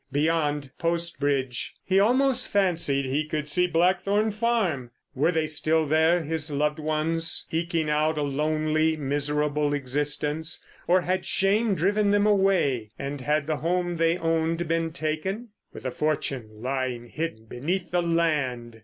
Beyond, Post Bridge. He almost fancied he could see Blackthorn Farm! Were they still there, his loved ones, ekeing out a lonely, miserable existence, or had shame driven them away, and had the home they owned been taken? With a fortune lying hidden beneath the land!